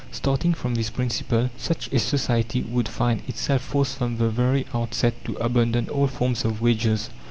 Starting from this principle, such a society would find itself forced from the very outset to abandon all forms of wages.